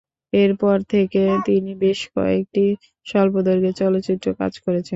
এর পর থেকে তিনি বেশ কয়েকটি স্বল্পদৈর্ঘ্যের চলচ্চিত্রে কাজ করেছেন।